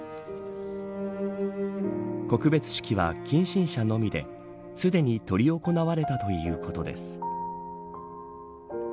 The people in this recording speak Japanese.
告別式は、近親者のみですでに執り行なわれたということです。